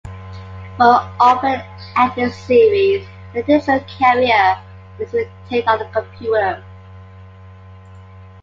For an open ended series, the digital carrier is retained on the computer.